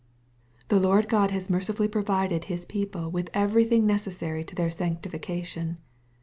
The Lord God has mercifully provided His people with everything necessary to their sanctification.